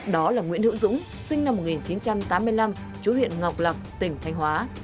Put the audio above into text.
đó là nguyễn hữu dũng sinh năm một nghìn chín trăm tám mươi năm chú huyện ngọc lạc tỉnh thanh hóa